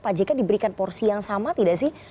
pak jk diberikan porsi yang sama tidak sih